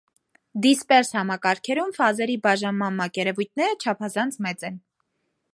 Դիսպերս համակարգերում ֆազերի բաժանման մակերևույթները չափազանց մեծ են։